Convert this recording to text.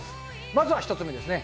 まずは１つ目ですね。